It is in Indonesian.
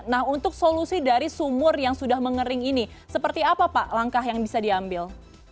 nah untuk solusi dari sumur yang sudah mengering ini seperti apa pak langkah yang bisa diambil